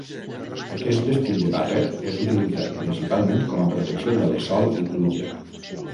Aquest estil de barret és utilitzat principalment com a protecció del sol i pluja.